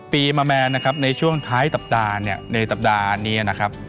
ปีมาแมนนะครับในช่วงท้ายสัปดาห์เนี่ยในสัปดาห์นี้นะครับ